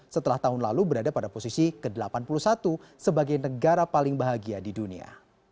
setelah tahun lalu berada pada posisi ke delapan puluh satu sebagai negara paling bahagia di dunia